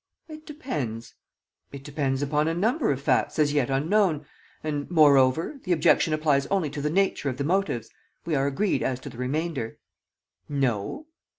"It depends ... it depends upon a number of facts as yet unknown. ... And, moreover, the objection applies only to the nature of the motives. We are agreed as to the remainder." "No."